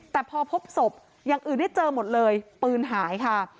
แต่พอพบศพอย่างอื่นได้เจอหมดเลยปืนหายค่ะ